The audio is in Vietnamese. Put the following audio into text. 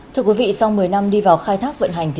thưa quý vị sau một mươi năm đi vào khai thác vận hành